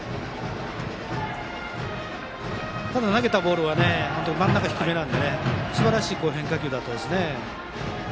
ただ投げたボールは真ん中低めですばらしい変化球でした。